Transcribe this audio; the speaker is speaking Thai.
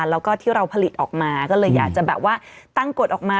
แล้วก็ที่เราผลิตออกมาก็เลยอยากจะแบบว่าตั้งกฎออกมา